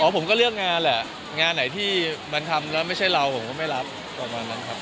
ผมก็เลือกงานแหละงานไหนที่มันทำแล้วไม่ใช่เราผมก็ไม่รับประมาณนั้นครับ